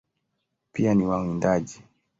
Pia ni wawindaji.